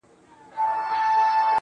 سپوږمۍ خو مياشت كي څو ورځي وي.